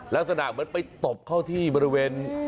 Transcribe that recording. ลักษณะเหมือนไปตบเข้าที่บริเวณ